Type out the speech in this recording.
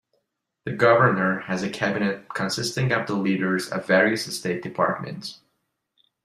The governor has a cabinet consisting of the leaders of various state departments.